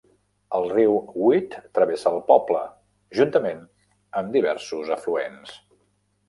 El riu Wid travessa el poble, juntament amb diversos afluents.